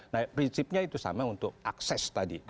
nah prinsipnya itu sama untuk akses tadi